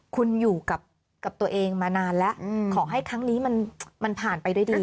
คุณอยู่กับตัวเองมานานแล้วขอให้ครั้งนี้มันผ่านไปด้วยดี